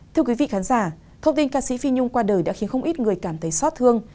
thưa quý vị khán giả thông tin ca sĩ phi nhung qua đời đã khiến không ít người cảm thấy xót thương